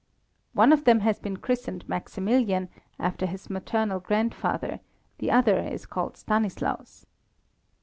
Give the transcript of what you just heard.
"One of them has been christened Maximilian, after his maternal grandfather; the other is called Stanislaus."